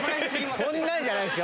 そんなんじゃないでしょ。